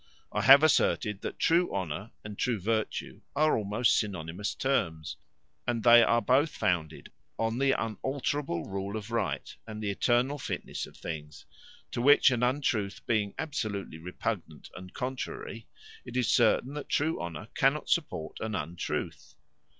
I have asserted, that true honour and true virtue are almost synonymous terms, and they are both founded on the unalterable rule of right, and the eternal fitness of things; to which an untruth being absolutely repugnant and contrary, it is certain that true honour cannot support an untruth.